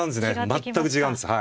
全く違うんです。